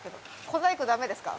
小細工ダメですか？